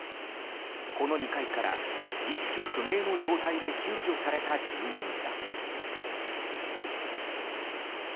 この２階から意識不明の状態で救助された住人が。